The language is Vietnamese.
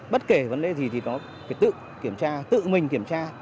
bất kể vấn đề gì thì có phải tự kiểm tra tự mình kiểm tra